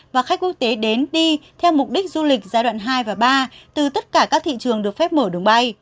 và khách quốc tế đến đi theo mục đích du lịch giai đoạn hai và ba từ tất cả các thị trường được phép mở đường bay